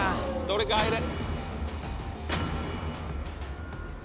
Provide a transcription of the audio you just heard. どれか入れ！